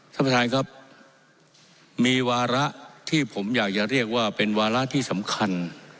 ท่านประธานครับมีวาระที่ผมอยากจะเรียกว่าเป็นวาระที่สำคัญ